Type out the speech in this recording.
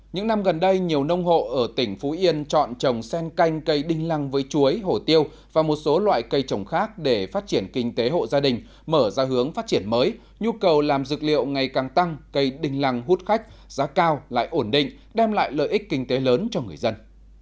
những năm gần đây nhiều nông hộ ở tỉnh phú yên chọn trồng sen canh cây đinh lăng với chuối hổ tiêu và một số loại cây trồng khác để phát triển kinh tế hộ gia đình mở ra hướng phát triển mới nhu cầu làm dược liệu ngày càng tăng cây đinh lăng hút khách giá cao lại ổn định đem lại lợi ích kinh tế lớn cho người dân